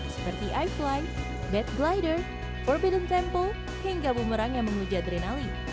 seperti ifly bed glider forbidden temple hingga bumerang yang menguja adrenalin